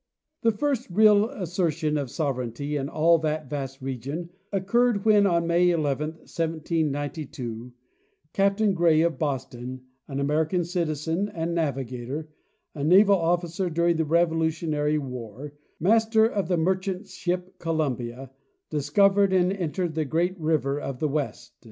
The first real assertion of sovereignty in all that vast region occurred when, on May 11, 1792, Captain Gray, of Boston, an American citizen and navigator, a naval officer during the revo lutionary war, master of the merchant ship Columbia, discoy ered and entered the great river of the west.